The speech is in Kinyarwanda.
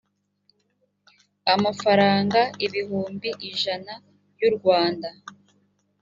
amafaranga ibihumbi ijana y u rwanda